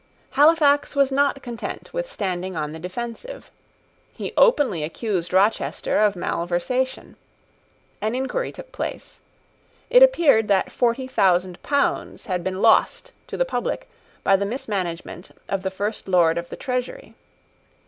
Halifax was not content with standing on the defensive. He openly accused Rochester of malversation. An inquiry took place. It appeared that forty thousand pounds had been lost to the public by the mismanagement of the First Lord of the Treasury.